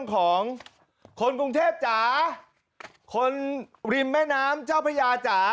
ของคนกรุงเทพจ๋าคนริมแม่น้ำเจ้าพระยาจ๋า